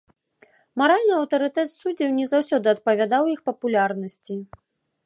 Маральны аўтарытэт суддзяў не заўсёды адпавядаў іх папулярнасці.